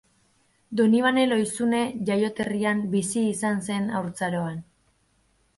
Donibane Lohizune jaioterrian bizi izan zen haurtzaroan.